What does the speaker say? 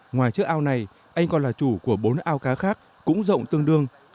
ngoài chiếc ao này anh còn là chủ của bốn ao cá khác cũng rộng tương đương